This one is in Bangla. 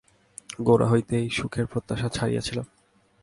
গোড়া হইতেই সুখের প্রত্যাশা ছাড়িয়াছিলাম।